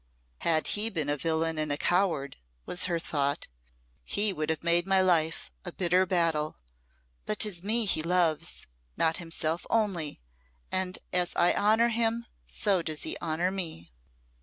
"Had he been a villain and a coward," was her thought, "he would have made my life a bitter battle; but 'tis me he loves, not himself only, and as I honour him so does he honour me."